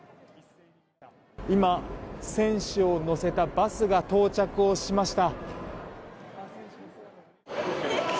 今、選手を乗せたバスが到着をしました。